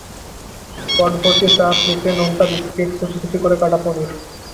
পটভর্তি চা, প্লেটে নোনতা বিস্কিট, কুচিকুচি করে কাটা পনির।